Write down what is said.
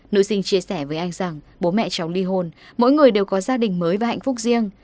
nữ sinh chia sẻ với anh rằng bố mẹ cháu ly hôn mỗi người đều có gia đình mới và hạnh phúc riêng